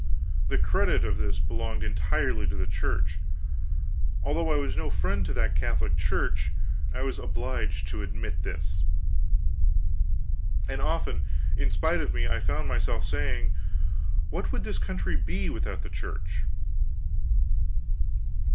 The credit of this belonged entirely to the Church. Although I was no friend to that Catholic Church, I was obliged to admit this. And often, in spite of me, I found myself saying, "What would this country be without the Church?"